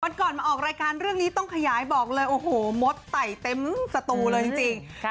ก่อนมาออกรายการเรื่องนี้ต้องขยายบอกเลยโอ้โหมดไต่เต็มสตูเลยจริง